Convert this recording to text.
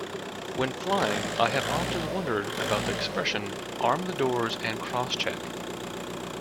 When flying, I have often wondered about the expression Arm the Doors and Crosscheck